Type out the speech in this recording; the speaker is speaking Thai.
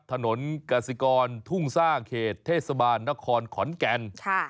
ถนนกสิกรทุ่งสร้างเขตเทศบาลนครขอนแก่น